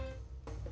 dan sampai jumpa lagi